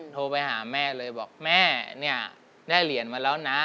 โทรไปหาแม่เลยบอกแม่เนี่ยได้เหรียญมาแล้วนะ